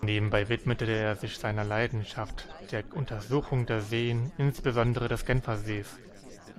Nebenbei widmete er sich seiner Leidenschaft, der Untersuchung der Seen, insbesondere des Genfersees.